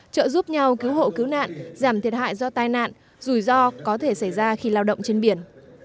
trợ giúp nhau cứu hộ cứu nạn giảm thiệt hại do tai nạn rủi ro có thể xảy ra khi lao động trên biển